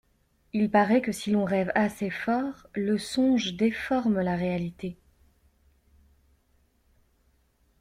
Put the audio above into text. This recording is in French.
Il paraît que si l’on rêve assez fort, le songe déforme la réalité.